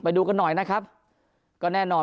ไปดูกันหน่อยนะครับก็แน่นอน